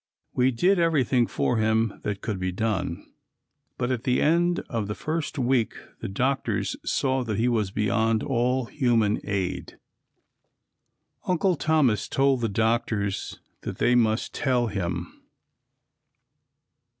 We did everything for him that could be done, but at the end of the first week the doctors saw that he was beyond all human aid. Uncle Thomas told the doctors that they must tell him.